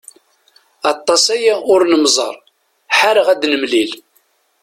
Aṭas aya ur nemẓer, ḥareɣ ad nemlil.